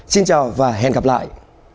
xin chào và hẹn gặp lại